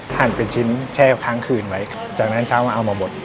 หั่นเป็นชิ้นแช่ค้างคืนไว้จากนั้นเช้ามาเอามาบด